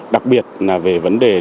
đặc biệt là về vấn đề